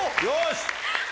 よし！